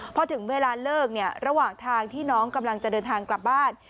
พอถึงเวลาเลิกเนี่ยระหว่างทางที่น้องกำลังจะเดินทางกลับบ้าน